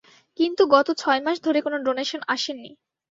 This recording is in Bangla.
কিন্তু গত ছয়মাস ধরে কোনো ডোনেশন আসেনি।